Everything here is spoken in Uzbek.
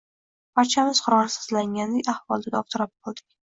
Barchamiz qurolsizlangandek ahvolda dovdirab qoldik